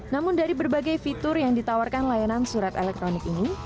namun dari berbagai fitur yang ditawarkan layanan surat elektronik ini